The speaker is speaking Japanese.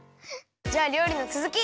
じゃありょうりのつづき！